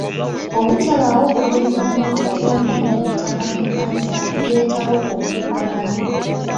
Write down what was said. Obutabaawo kwogerezeganya wakati wa nnannyini ttaka n'ekkanisa kuleetawo obukuubagano.